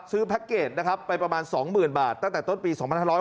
แพ็คเกจนะครับไปประมาณ๒๐๐๐บาทตั้งแต่ต้นปี๒๕๖๐